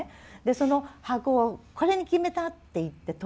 その箱を「これに決めた」って言って取るでしょ。